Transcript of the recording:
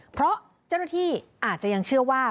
เพราะเจ้าหน้าที่อาจจะยังเชื่อว่า